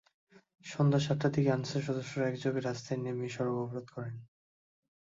সন্ধ্যা সাতটার দিকে আনসার সদস্যরা একযোগে রাস্তায় নেমে সড়ক অবরোধ করেন।